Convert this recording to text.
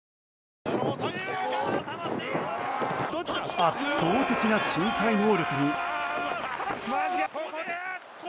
圧倒的な身体能力に。